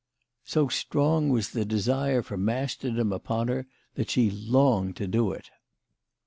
So strong was the desire for masterdom upon her that she longed to do it.